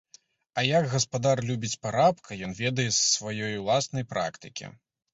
А як гаспадар любіць парабка, ён ведае з сваёй уласнай практыкі.